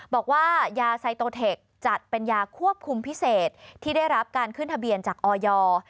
บอกว่ายาไซโตเทคจัดเป็นยาควบคุมพิเศษที่ได้รับการขึ้นทะเบียนจากออย